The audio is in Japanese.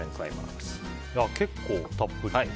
結構たっぷり。